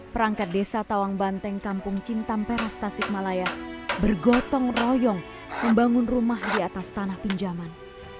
perangkat desa tawang banteng kampung cintam peras tasikmalaya bergotong royong membangun rumah di atas tanah pinjaman